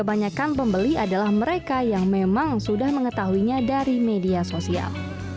dan perempuan pembeli adalah mereka yang memang sudah mengetahuinya dari media sosial